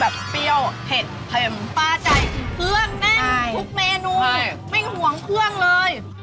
เผ็ดเพ็ดปลาใจทุกเมนูไม่ห่วงเพลื้องเลย